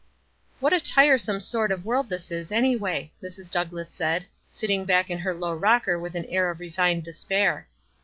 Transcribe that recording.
"What a tiresome sort of world it is, any way !" Mrs. Douglass said, sitting back in her low rocker with an air of resigned despair.